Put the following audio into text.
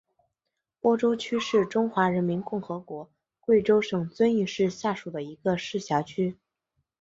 播州区是中华人民共和国贵州省遵义市下属的一个市辖区。